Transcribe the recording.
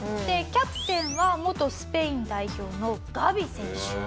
でキャプテンは元スペイン代表のガビ選手。